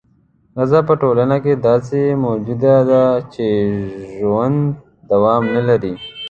ښځه په ټولنه کې داسې موجود دی چې ژوند دوام نه لري.